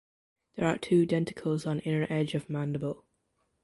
There are two denticles on inner edge of mandible.